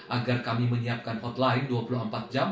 agar kami menyiapkan hotline dua puluh empat jam